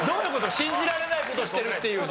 信じられない事してるっていうの。